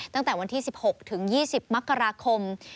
ตั้งแต่วันที่๑๖ถึง๒๐มกราคม